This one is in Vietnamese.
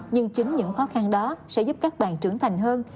nhưng chính những khó khăn đó sẽ giúp các bạn trưởng thành hơn